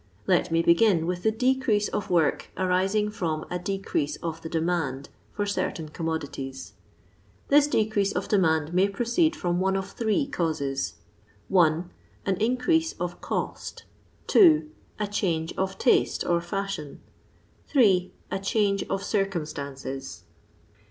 Let me begm with the decrease of work arising from a decrease of the detnand for certain com modities. This decrease of demand may proceed from one of three causes: — 1. An increase of cost. 2. A change of taste or fashion. 8. A change of circumstances.